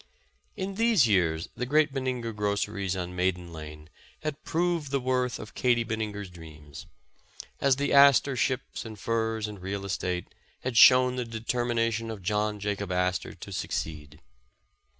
In these years the great Bininger groceries on Maiden Lane had proved the worth of Katie Bininger 's dreams, as the Astor ships and furs and real estate, had shown the determination of John Jacob Astor to suc ceed.